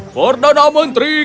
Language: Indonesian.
perdana menteri kerajaan